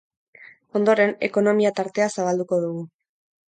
Ondoren, ekonomia tartea zabalduko dugu.